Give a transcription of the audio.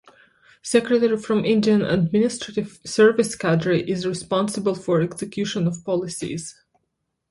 Secretary from Indian Administrative Service cadre is responsible for execution of policies.